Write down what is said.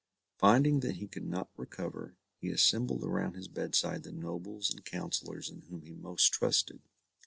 Finding that he could not recover, he assembled around his bedside the nobles and counsellors in whom he most trusted.